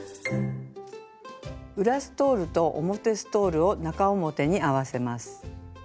裏ストールと表ストールを中表に合わせます。